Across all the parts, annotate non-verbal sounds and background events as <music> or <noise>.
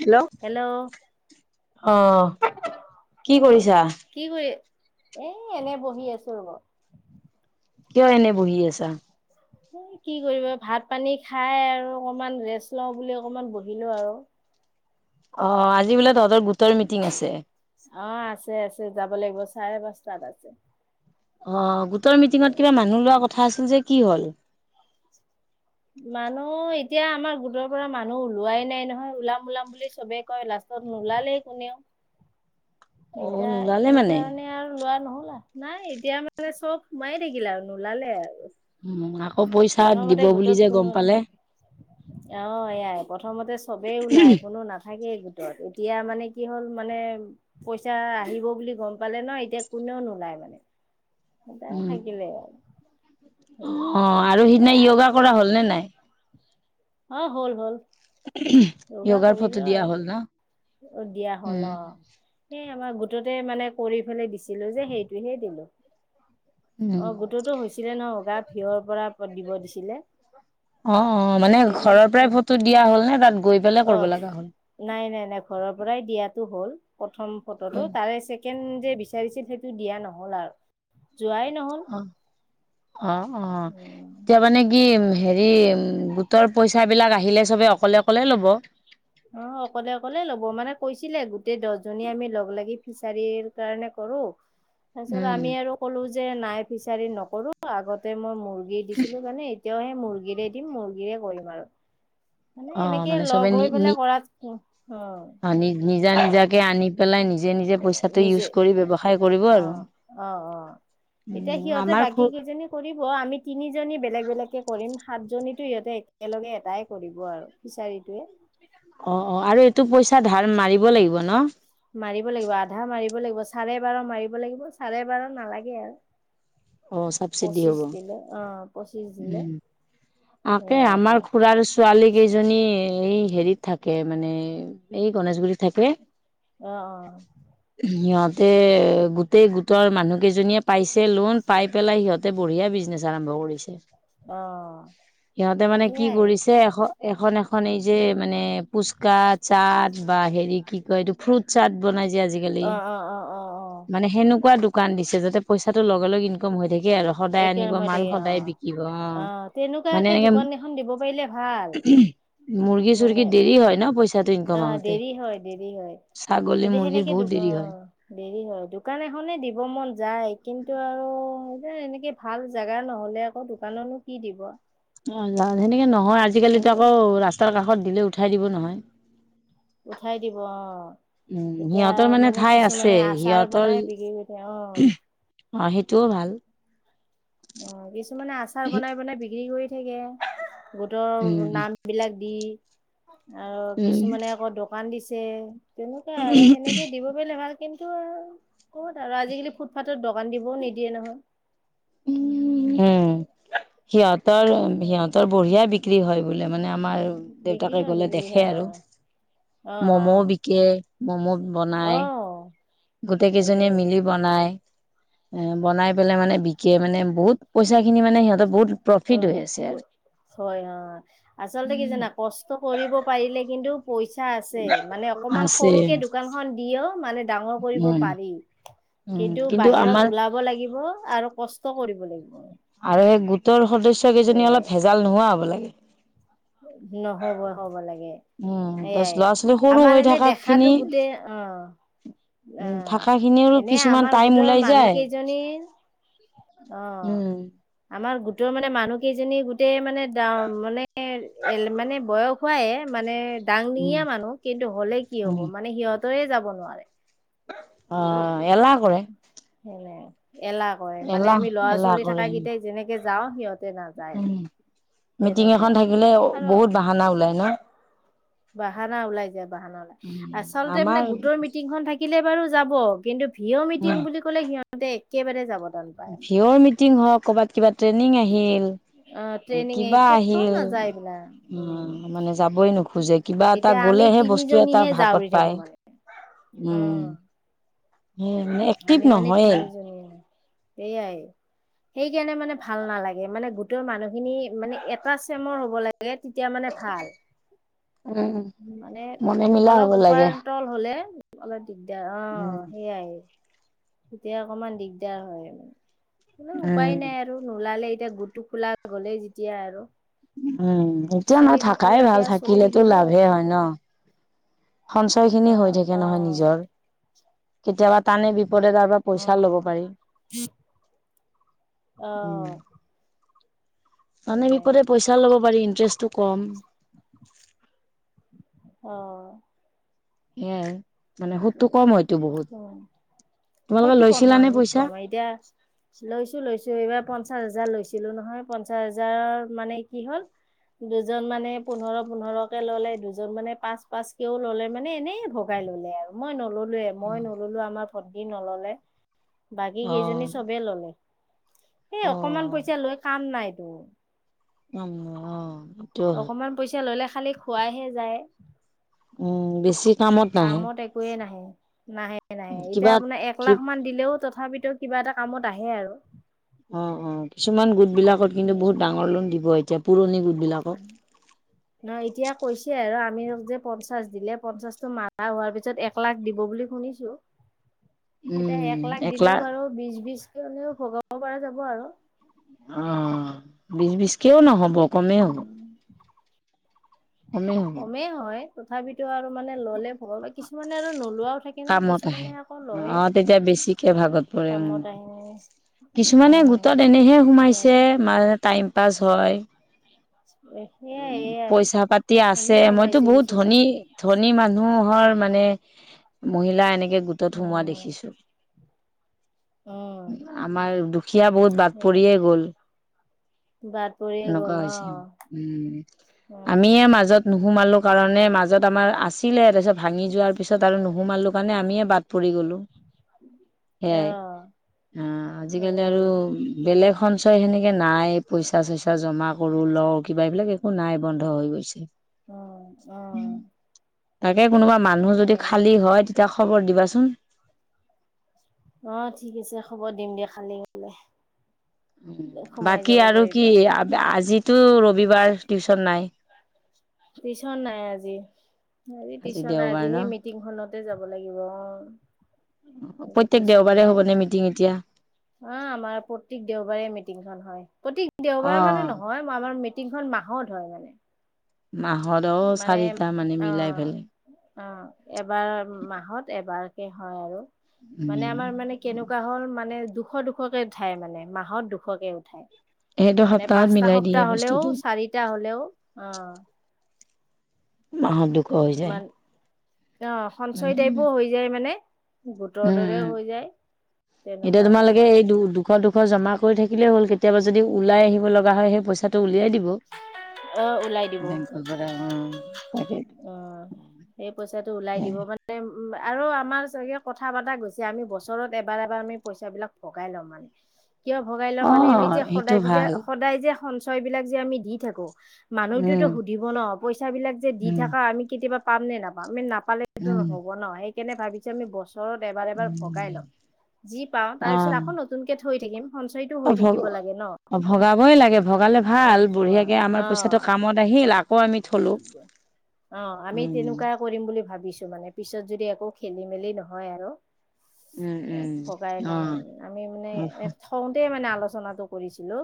Hello hello অ কি কৰিছা? কি কৰি এ এনে বহি আছো ৰব। কিয় এনে বহি আছা? এ কি কৰিব ভাত পানী খাই আৰু অকমান ৰেষ্ট লওঁ বুলি অকনমান বহিলো আৰু। অ আজি বোলে তহ অ আছে আছে যাব লাগিব চাৰে পাঁচটাত আছে। অ গোটৰ মিটিঙত কিবা মানুহ লোৱা কথা আছিল যে কি হ'ল? মানুহ এতিয়া আমাৰ গোটৰ পৰা মানুহ ওলোৱাই নাই নহয় ওলাম ওলাম বুলি চবেই কয় লাষ্ট ত নোলালেই কোনেও, অ এতিয়া নোলালে মানে সেইকাৰণে আৰু লোৱা নহল। নাই এতিয়া মানে চব সোমায়ে থাকিলা আৰু নোলালে আৰু। উম আকৌ পইচা প্ৰথমতে দিব বুলি গোটত যে গম কোনো পালে। অ এয়াই প্ৰথমতে চবেই ওলাই কোনো নাথাকেই গোটত। এতিয়া মানে কি হ'ল মানে পইচা আহিব বুলি গম পালে ন এতিয়া কোনেও নোলায় মানে। এ উম থাকিব আৰু <inaudible> অ' আৰু সিদিনা য়োগা কৰা হ'ল নে নাই? অ' হ'ল হ'ল। ফটো দিয়া হ'ল ন <inaudible> উম দিয়া হ'ল উম অ' - - আমাৰ গোটতে মানে কৰি পেলাই দিছিলো যে সেইটোহে দিলো। উম অ' গোটোতো হৈছিলে ন উগা ফিয়ৰ পৰা দিব দিছিলে। অ অ মানে সেইটোয়হে ঘৰৰ পৰাই ফটো দিয়া হ'ল নে তাত গৈ পেলাই কৰিব আহ লগা হ'ল নাই নাই নাই ঘৰত <inaudible> পৰাই দিয়টো হল প্ৰথম ফটোটো তাৰেছেকে যে বিচাৰিছিল ইটো দিয়া নহল আৰু যোৱাই নহল। অ অ' অ' এতিয়া মানে কি হে সেই বুটৰ পইচাবিলাক আহিলে সবে অকলে- অকলে ল'ব। অ' অকলে - অকলে ল'ব মানে কৈছিলে গোটেই দহজনী আমি লগ লাগি ফিচাৰীৰ কাৰণে ক উম, আম আৰু নি নো <inaudible> মুৰ্গী দিছিলো মানে এতিয়াও সে মুৰ্গীৰে দিম মুৰ্গীৰে কৰিম আৰু। মানে অ' এনেকে লগ হৈ পেললে আনি নিজা- নিজাকে আনি পেলাই নিজে - নিজে পইচাটো নিজে ইউজ কৰি ব্যৱসায় কৰিব অ আৰু। অ অ এতিয়া উম, সিহঁতে আমাৰ বাকী খুব কেইজনী কৰিব আমি তিনিজনী বেলেগ বেলেগকে কৰিম। সাতজনীতো সিহঁতে একেলগে এটাই কৰিব আৰু ফিচাৰীটোৱে। অ', অ' আৰু এইটো পইচা ধাৰ মাৰিব লাগিব ন? লাগ চাৰে বাৰ মাৰিব লাগিব চাৰে বাৰ নালাগে আৰু। অ'! চাবচিডি হ'ব। পঁচিছ দিলে অ পঁচিছ <unintelligible> একে, আমাৰ খুড়াৰ ছোৱালী কেইজনী, এই সেৰিত থাকে। মানে, এই গণেশগুৰিত থাকে। আৰু। অ সিহঁত তে, গোটেই গোটৰ মানুহ কেইজনীয়ে পাইছে লোণ। পাই পেলাই, সিহঁতে বঢ়িয়া বিজনেচ আৰম্ভ কৰিছে। অ'! সিহঁতে মানে কি সেয়াই কৰিছে এশ এখন, এখন এই যে, মানে ফুচকা, চাট বা হেৰি কি কয় এইটো ফ্ৰুট চাট বনাই আজিকালি অ অ অ অ অ মানে সেনেকুৱা দোকান দিছে যাতে পইচাটো লগে, লগে ইনকম হৈ থাক <unintelligible> আৰু সদায় একে আনিব ৰুমতে মাল অ সদায় বিকিব অ'। মানে তেনেকুৱাকে এনেকে দোকান এখন দিব পাৰিলে ভাল, মুৰ্গী চুৰ্গী মানে দেৰি হয় ন পইচাটো ইনকম অ', আহোতে দেৰি হয়, দেৰি হয়। ছাগলী সেইটো মুৰ্গীৰ সেনেকে দো, বহুত দেৰি হয় অ', দেৰি হয়, দোকান এখনে দিব মন যায়। কিন্তু আৰু এ, এনেকে ভাল জোগা নহ'লে আকৌ দোকানোনো কি দিব? সেনেকে নহয়, আজিকালিতো লাগে আকৌ ৰাস্তাৰ কাষত দিলে উঠাই দিব নহয়। উঠাই দিব অ'। উম, এতিয়া সিহঁতৰ মানে ঠাই আছে কিছুমানে আচাৰ সিহঁতৰ বনাই বিকি কৰি <unintelligible> অ' অ' সেইটোও ভাল। অ কিছুমানে আচাৰ বনাই বনাই বিক্ৰী কৰি থাকে গোটৰ উম, নাম বিলাক, দি আৰু উম, কিছুমানে আকৌ দোকান দিছে তেনেকুৱা আৰু সেনেকে দিব পাৰে ভাল কিন্তু ক'ত আৰু আজিকালি ফুটফথত দ, দোকান দিবও নিদিয়ে নহয়। উম সিহতৰ উম সিহঁতৰ বঢ়িয়াই বিক্ৰী হয় বোলে মানে আমাৰ বিক্ৰী দেউতাকে হয় গ'লে বিক্ৰী দেখে হয় আৰু ম'ম' অ', বিকে ম'ম' অ', বনাই, অ', গোটেই তাকে কেইজনীয়ে মিলি বনাই। বনাই পেলাই মানে বিকে মানে বহুত পইচা খিনি মানে সিহ বহুত অ', প্ৰফিট হৈ আছে আৰু হয় হয় আচলতে কি জানা কষ্ট কৰিব পাৰিলে কিন্তু পইচা আছে মানে অকমান আছে সৰুকে দোকান খন দিয়েও মানে, বাহ উম, উম, কিন্তু আমাৰ কষ্ট কৰিব লাগিব আৰু সেই গোটৰ সদস্য কেইজনী সেয়াই অলপ ভেজাল নোহোৱা হ'ব লাগে। নহ'ব হ'ব লাগে। উম তাৰপিছত এয়াই ল'ৰা ছোৱালী সৰু আমাৰ হৈ এনে থকা দেখাতো খিনি গোটেই অ' উ অ' থকা খিনিৰো এনে কিছুমান আমাৰ টাইম গোটৰ ওলাই মানুহ যায় কেইজনী অ' উম আমাৰ গো তৰ মানে মানুহ কেইজনী গোটেই মানো মানে এ মানে বয়স খুৱাই মানে উম দাংনিঙীয়া মানুহ কিন্তু হ'লে কি উম হ'ব মানে সিহঁতেৰে যাব নোৱাৰে অ' এলাৰ কৰেৰে সেনে এলাহ ক মানে আমি ল'ৰা ছোৱালী থাক কেইটাই যেনেকে যাওঁ সিহঁত উ মিটিং এখন থাকিলে আৰু বহুত বাহানা ওলাই ন বাহানা ওলাই যায় বাহানা ওলাই উম আচলতে মানে আমাৰ গোটৰ মিটিংখন থাকিলে বাৰু যাব কিন্তু। ভিঅ মিটিং উম বুলি ক'লে সিহঁতে একেবাৰে যাব টান পায় ভিঅৰ মিটিং হওক কৰ'বাত কিবা ট্ৰেইনিং আহিল অ ট্ৰেইনিঙে কিবা ক'তো আহিল নাযায় এইবিলাক উম অ মানে যাবই নোখোজে কিবা এটা এতিয়া গ'ল, আমি বলেহে বস্তু এটা তিনিজনীহে ভাগত জাউৰি থাকো পায় মানে উম। উ এক্টিভ নহয়ে সাই সেই কাৰণে মানে ভাল নালাগে মানে গোটেই মানুহখিনি মানে এটা চেমৰ হব লাগে লাগে তেতিয়া মানে ভাল। উম মানে মনে মিলা হ'ব অলপ লাগে। উপাৰ্ তল হলে অলপ দিগদাৰ উম। অ' সেইয়াই এতিয়া অকমান দিগদাৰ হয় মানে উম, উপায় নাই আৰু নোলালে এতিয়া গোটটো খোলা গ'লেই যেতিয়া আৰু উম এতিয়া ন চলি থাকাই থকালৈকে ভাল আৰু চলি থাকিলেতো থাকিব আৰু লাভেই হয় ন সঞ্চয় খিনি হৈ অ', থাকে নহয় অ', নিজৰ। কেতিয়াবা তানে বিপদে তাৰ পৰা পইচা লব উম, পাৰি। অ'! মানে সেইয়াই বিপদে পইচা লব পাৰি ইন্টাৰেষ্টটো কম। অ সেয়াই। মানে সুতটো কম হয়তটো বহুত। তোমালোকে সুতটো কম হয়, লৈছিলানে সুত পইচা? কম হয় এতিয়া লৈছো লৈছো এইবাৰ পঞ্চাশ হাজাৰ লৈ- ছিলো নহয়, পঞ্চাশ হাজাৰৰ মানে কি হ'ল দুজন মানে পোন্ধৰ পোন্ধৰ কে ললে। দুজন মানে পাঁচ পাঁচ কেও ললে মানে এনেই ভগাই- ললে আৰু মই ন'ললোৱে মই নললো আমাৰ ভটি নললে। বাকী কেইজনী অ', চবেই ললে। এই অকমান অ', পইচা লৈ কাম নাই ত'। উম, অ এইটো হয়। অকমান পইচা ললে খালি খুৱাইহে যায়। উম, বেছি কামত নাহে। একোৱে নাহে নাহে, নাহে, এতিয়া কিবা আপোনাৰ কি একলাখ মান দিলেও তথাপিতো কিবা এটা কামত আহে আৰু অ, অ, কিছুমান গোট বিলাকত কিন্তু বহুত ডাঙৰ লোন দিব এতিয়া পুৰণি গোট- বিলাকক। নহ, এতিয়া কৈছে আৰু আ- মি যে পঞ্চাশ দিলে পঞ্চাশতটো মা ৰা হোৱাৰ পিছত এক লাখ দিব বুলি শুনিছো। এতিয়া এক লাখ দিলেও বাৰু বিশ-বিশকে হলেও ভগাব পৰা যাব আৰু অ' বিশ-বিশকেও নহ'ব কমে হ'ব। উম কমেই হয় তথাপিতো আৰু মানে ললে ভগাব কিছুমানে আৰু নোলোৱা কামত আহে অ' তেতিয়া বেছিকে ভাগত পৰে উম। কামত আহি মেলি। কিছুমানে উম গোটত এনেহে সোমাইছে মানে টাইম পাছ হয়। <unintelligible> এ উ সেয়াই এয়াই পইচা পাতি আছে। এনেই মইতো সোমাইছে বহুত কিছুমান ধনী, ধনী মানুহ হৰ মানে মহিলা এনেকে গোটত সোমোৱা উম দেখিছো। উম আমাৰ দুখীয়া বহুত বাদ পৰিয়ে গ'ল। বাদ পৰিয়ে এনেকুৱা গ'ল অ হৈছে। উম, উম আমিয়ে মাজত নোসুমালো কাৰণে মাজত আমাৰ আ- ছিলে তাৰপিছত ভাঙি যোৱাৰ পিছত আৰু নোসুমালো কাৰণে আমিয়ে বাদ পৰি গ'লোঁ। সেইয়াই। অ' আজিকালি আৰু সেই বেলেগ সঞ্চয় সেনেকে- এনেকে নাই পইচা-চইচা জমা কৰো লওঁ কিবা এইবিলাক একো নাই বন্ধ হৈ গৈছে। অঁ, অ! কে কোনোবা মানুহ যদি সেই খালি হয় তেতিয়া খবৰ দিবাচোন। অ' ঠিক আছে খবৰ দিম দিয়া খালি হ'লে। বাকী আৰু কি আব, আজিতো ৰবিবাৰ টিউচন নাই? টিউশন নাই আজি। আজি টিউশন নাই দেওবাৰ আজি ন সেই মিটিংখনত- তে যাব লাগিব অ'। আজি প্ৰত্যেক টিউচন দেওবাৰে নাই, হ'বনে মিটিং এতিয়া? অ' আমাৰ প্ৰতিক দেওবাৰে মিটিংখন হয়। প্ৰতি অ দেওবাৰ মানে নহয় মই আমাৰ মি- টিংখন মাহত হয় মানে। মাহত অ মানে, চাৰিটা মানে অ, মিলাই পেলাই অ, এবাৰ মাহত এবাৰ এ হয় আৰু মানে উম আমাৰ মানে কেনেকুৱা হ'ল মানে দুশ-দুশকে উঠাই মানে মাহত দুশকে উঠায়। সেইটো মানে সপ্তাহত পাঁচটা মিলাই দিয়ে সপ্তাহ হলেও বস্তুটো চাৰিটা হলেও, আহ নাহত দুখ হৈ যায়। অহ, উম সঞ্চয় টাইপো হৈ যায় মানে। গোটৰ উম দৰেও উম হৈ যায়। এতিয়া তেনেকুৱাকে তোমালোকে কৰে এই দু, দুশ- দুশ জমা কৰি থাকিলেই হ'ল। কেতিয়াবা যদি ওলাই আহিব লগা হয় সেই পইচাটো উ- উলিয়াই দিব। অ ওলাই দিব বেংকৰ পৰা অ'! অ'! সেই পইচাটো উলাই দিব মানে, উম আৰু আমাৰ চাগে, কথা পতা গৈছে। আমি, বছৰত এবাৰ-এবাৰ আমি পইচাবিলাক ভগাই লম, মানে। কিয় ভগাই লওঁ মানে! আমি যে, অ' সেইটো সদায় যে, ভাল। সদায় যে, সঞ্চয় বিলাক যে, আমি দি থাকোঁ। মানুহটোৱেতো উম। সুধিব ন'! পইচা বিলাক যে দি উম, থাকা, আমি কেতিয়াবা পাম নে নাপাম! আমি, নাপালেতো উম, নহ'ব ন'! সেইকাৰণে, ভাবিছোঁ আমি, ব বছৰত এবাৰ-এবাৰ ভগাই ল'ম। উম। যি পাওঁ, তাৰ পিছত, অ' আকৌ নতুনকে থৈ থাকিম। সঞ্চয়টো হৈ অ'! থাকিব লাগে ন ভ-ভগাবই লাগে, ভগালে এ ভাল! অ বঢ়িয়াকে, আমাৰ পইচাটো কামত আহি হিল। আকৌ আমি থলো। অ'! আমি উম। তেনেকুৱাই কৰিম বুলি ভাবিছোঁ! মানে। পিছত, যদি আকৌ খেলি-মেলি নহয় আৰু। উম, এ, উম। ভগাই ল'ম। অ'। আমি মানে, থওঁতে মানে, আ আলোচনাটো কৰিছিলোঁ।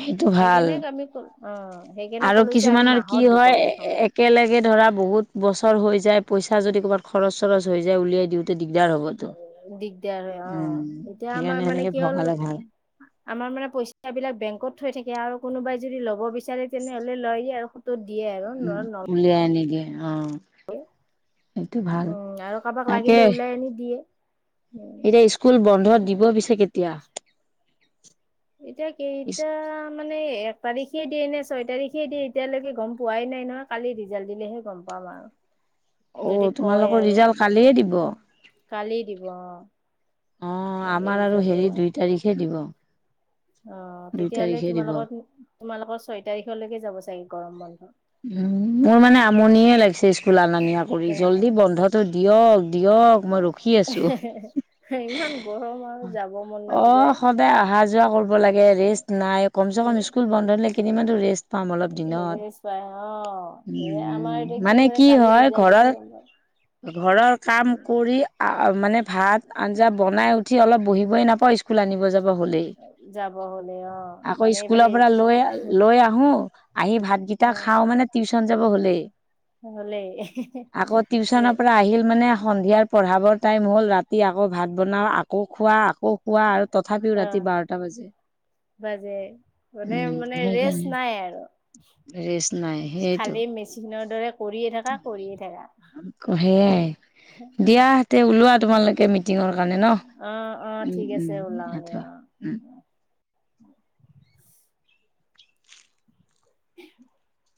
সেইটো ভাল সেইকাৰণে আমি, <unintelligible> অ'! সেইকাৰণে আৰু ক'লো যে, আমি কিছুমানৰ মাহত দু <unintelligible> একেলগে ধৰা, বহুত বছৰ হৈ যায়। পইচা যদি ক'ৰবাত, খৰচ-চৰচ হৈ যায়, উলিয়াই দিওঁতে। দিগদাৰ হ'বতো, দিগদাৰ হয় অ উম এতিয়া আমাৰ সেইকাৰণে মানে সেনেকে কি ভয় হ'ল খালে ভাল। আমাৰ মানে পইচা বিলাক বেংকত থৈ থাকে আৰু কোনোবাই যদি ল'ব বিচাৰে তেনেহলে লয় আৰু দিয়ে আৰু ন উম ন উলিয়াই আনি দিয়ে অ সেইটো ভাল উম আৰু কাৰোবাক তাকে লাগিলে ওলাই আনি দিয়ে। উ এতিয়া স্কুল বন্ধ দিব পিছে কেতিয়া? এতিয়া কেইটা মানে এক তাৰিখে দিয়ে নে ছয় তাৰিখ খেই দিয়ে এতিয়ালৈকে গম পোৱাই নাই নহয়, কালি ৰিজাল্ট দিলেহে গম পাম আৰু। ঔ যদি কয় তোমালোকৰ আৰু ৰিজাল্ট কালিয়ে দিব? কালি দিব অঁ। অঁ আমাৰ আৰু হেৰি দুই তাৰিখে দিব। অ দুই তেতিয়াহলে তাৰিখে দিব তোমালোকৰ টো তোমালোকৰ ছয় তাৰিখলৈকে যাব চাগে গৰম বন্ধ। উ মোৰ মানে আমনিয়ে লাগিছে স্কুল আনা নিয়া কৰি তে জল্দি বন্ধটো দিয়ক দি দিয়ক মই অ', ৰখি আছো, ইমান গৰম আৰু যাব মন অ নাযায়। সদায় অহা যোৱা কৰিব লাগে ৰেষ্ট নাই কম চে কম অ', স্কুল বন্ধ দিলে কেইদিনমানটো ৰেষ্ট পাম অলপ দিনত। এ আমাৰ উম এতিয়া মানে কৰে কি কালি হয় ৰিজাল্ট দিলে ঘৰৰ গম পাম। ঘৰৰ কাম কৰি আ মানে ভাত আঞ্জা বনাই উঠি অলপ বহিবই নাপাওঁ স্কুল আনিব যাব হলেই, যাব হ'লে অ', আকৌ মানে স্কুলৰ এইফালে পৰা লৈ লৈ আহো আহি ভাত কেইটা অ', খাওঁ মানে টিউচন যাব হ'লেই। হ'লে আকৌ টিউচনৰ পৰা আহিল মানে সন্ধিয়াৰ পঢ়াবৰ টাইম হ'ল ৰাতি আকৌ ভাত বনাওঁ আকৌ খোৱা কৌ খোৱা আৰু তথাপিও ৰাতি অ', বাৰটা বাজে। বাজে মানে উম মানে সেইকাৰণে ৰেষ্ট নাই আৰু। ৰেষ্ট নাই সেইটো খালি মেচিনৰ দৰে কৰিয়ে থাকা, কৰিয়ে থাকা। সেয়াই। দিয়া হতে ওলোৱা তোমালোকে মিটিঙৰ কাৰণে ন, অ', অ', উম ঠিক আছে উম। ওলাও দিয়া <unintelligible> অ'। উম। <inaudible> <inaudible>